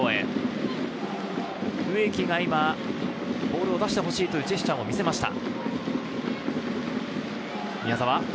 植木がボールを出してほしいというジェスチャーを見せました。